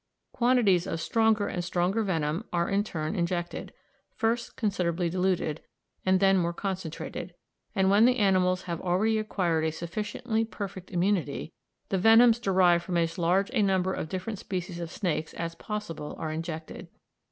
Quantities of stronger and stronger venom are in turn injected, first considerably diluted, and then more concentrated; and when the animals have already acquired a sufficiently perfect immunity, the venoms derived from as large a number of different species of snakes as possible are injected.